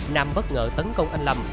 nam bất ngờ tấn công anh lâm